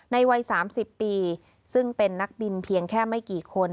วัย๓๐ปีซึ่งเป็นนักบินเพียงแค่ไม่กี่คน